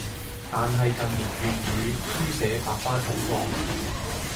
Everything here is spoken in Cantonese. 但係近年粵語書寫百花齊放